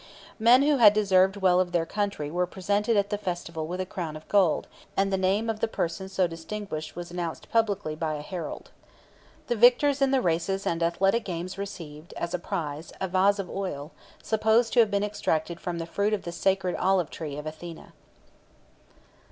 Men who had deserved well of their country were presented at the festival with a crown of gold, and the name of the person so distinguished was announced publicly by a herald. The victors in the races and athletic games received, as a prize, a vase of oil, supposed to have been extracted from the fruit of the sacred olive tree of Athene.